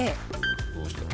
どうした？